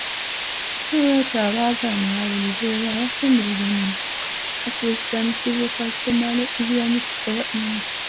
N'olwekyo, abaagalana ababiri beebo abaafumbiriganwa mu nkola eya Christian, Civil, Customary, Islamic oba Hindu.